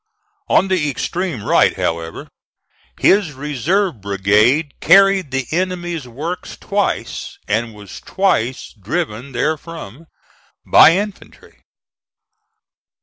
On the extreme right, however, his reserve brigade carried the enemy's works twice, and was twice driven therefrom by infantry.